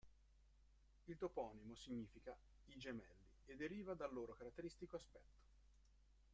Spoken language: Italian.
Il toponimo significa "i gemelli" e deriva dal loro caratteristico aspetto.